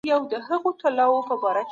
هغه څوک چي فکر نه کوي، تېروتنه کوي.